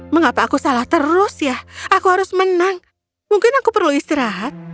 mengapa aku salah terus ya aku harus menang mungkin aku perlu istirahat